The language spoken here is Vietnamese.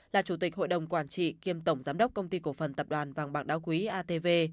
là chủ tịch hội đồng quản trị kiêm tổng giám đốc công ty cổ phần tập đoàn vàng bạc đá quý atv